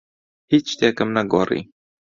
هیچ شتێکم نەگۆڕی.